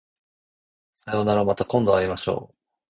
さようならまた今度会いましょう